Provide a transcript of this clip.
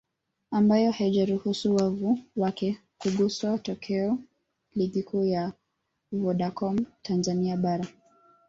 ambayo haijaruhusu wavu wake kuguswa tokea Ligi Kuu ya Vodacom Tanzania Bara